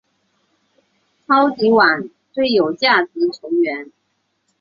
超级碗最有价值球员。